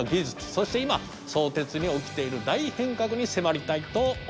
そして今相鉄に起きている大変革に迫りたいと思います。